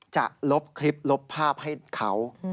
จะลบคลิปลบภาพให้เขา